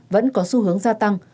vẫn có xu hướng gia tăng